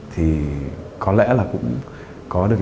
thì có lẽ là cũng có được